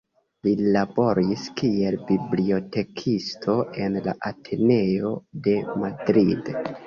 Li laboris kiel bibliotekisto en la Ateneo de Madrid.